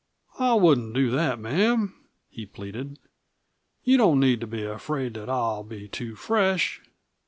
"I wouldn't do that, ma'am," he pleaded. "You don't need to be afraid that I'll be too fresh."